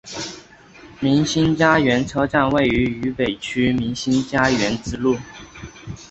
民心佳园车站位于渝北区民心佳园支路。